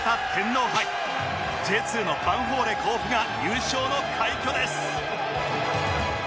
Ｊ２ のヴァンフォーレ甲府が優勝の快挙です！